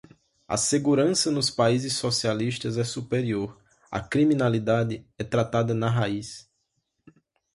A segurança nos países socialistas é superior, a criminalidade é tratada na raiz